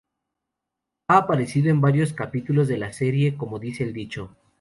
Ha aparecido en varios capítulos de la serie "Como dice el dicho".